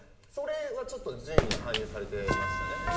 それはちょっと順位に反映されてましたね。